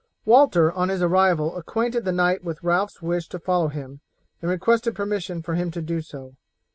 Walter on his arrival acquainted the knight with Ralph's wish to follow him, and requested permission for him to do so.